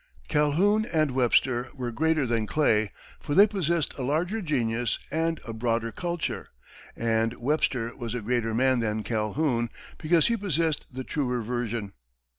Calhoun and Webster were greater than Clay, for they possessed a larger genius and a broader culture; and Webster was a greater man than Calhoun, because he possessed the truer vision.